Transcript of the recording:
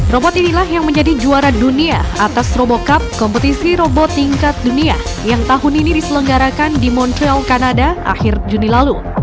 robot inilah yang menjadi juara dunia atas robo cup kompetisi robot tingkat dunia yang tahun ini diselenggarakan di montreal kanada akhir juni lalu